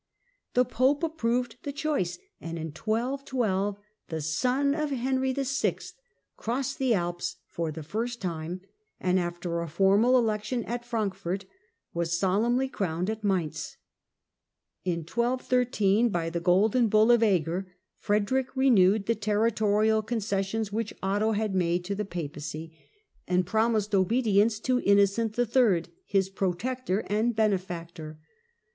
The Pope approved the choice, and in 1212 the son of Henry VI. Corona crosscd the Alps for the first time, and after a formal Frederick election at Frankfurt was solemnly crowned at Mainz. Mainz,i2i2 ^^ 1213, by the Golden Bull of Eger, Frederick renewed the territorial concessions which Otto had made to the Papacy, and promised obedience to Innocent III., his " protector and benefactor."